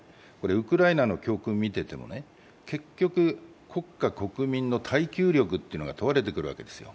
ウクライナの教訓を見ていても、結局、国家・国民の耐久力が問われてくるわけですよ。